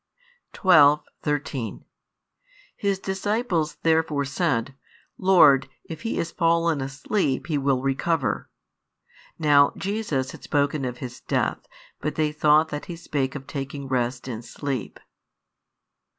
12, 13 His disciples therefore said, Lord, if he is fallen asleep, he will recover. Now Jesus had spoken of his death; but they thought that He spake of taking rest in sleep.